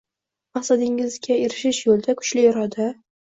Maqsadingizga erishish yo’lida kuchli iroda